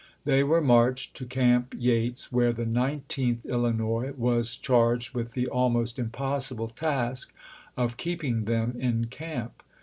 They were marched to Camp Yates, where the Nineteenth Illinois was charged with the almost impossible task of keeping them in camp.